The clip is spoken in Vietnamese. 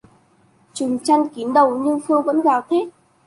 Trùm chăn kín đầu nhưng phương vẫn gào thét